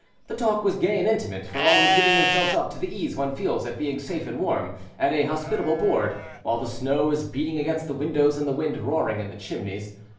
The talk was gay and intimate; for all were giving themselves up to the ease one feels at being safe and warm, at a hospitable board, while the snow is beating against the windows and the wind roaring in the chimneys.